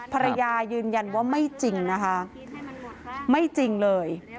ภรรยายืนยันว่าไม่จริงนะคะไม่จริงเลย